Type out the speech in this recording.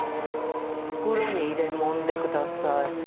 袋に入れ揉んでください。